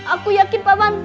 aku yakin pak man